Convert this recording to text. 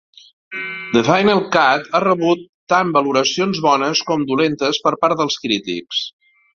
"The Final Cut" ha rebut tant valoracions bones com dolentes per part dels crítics.